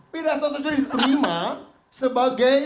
pidato satu juni diterima sebagai